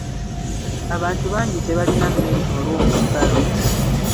Abantu bangi tebalina mmere olw'omuggalo.